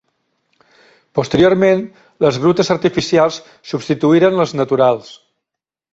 Posteriorment, les grutes artificials substituïren les naturals.